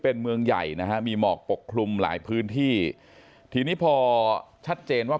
เป็นเมืองใหญ่นะฮะมีหมอกปกคลุมหลายพื้นที่ทีนี้พอชัดเจนว่า